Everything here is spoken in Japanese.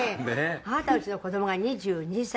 あなたのうちの子供が２２歳。